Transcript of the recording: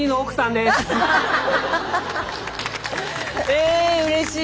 えうれしい。